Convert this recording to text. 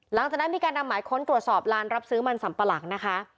หลังจากนั้นมีการนำหมายค้นตรวจสอบลานรับซื้อมันสัมปะหลังนะคะ